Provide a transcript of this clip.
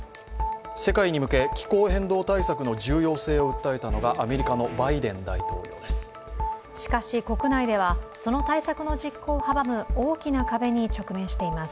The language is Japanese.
世界に向け、気候変動対策の重要性を訴えたのがアメリカのバイデン大統領です。